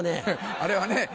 あれはね